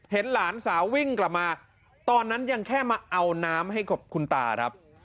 เห็นหลานสาววิ่งกลับมาตอนนั้นยังแค่มาเอาน้ำให้คุณตาครับ